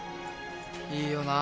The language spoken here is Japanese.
いいよなあ。